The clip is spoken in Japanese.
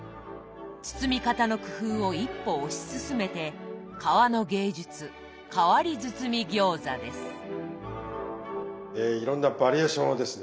包み方の工夫を一歩推し進めていろんなバリエーションをですね